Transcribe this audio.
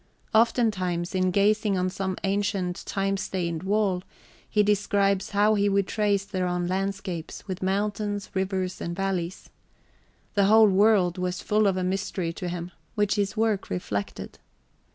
Oftentimes, in gazing on some ancient, time stained wall, he describes how he would trace thereon landscapes, with mountains, rivers and valleys. The whole world was full of a mystery to him, which his work reflected.